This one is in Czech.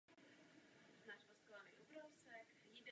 Musíme se postarat o to, aby byl tento závazek dodržován.